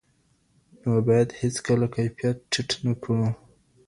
نو باید هېڅکله کیفیت ټیټ نه کړو.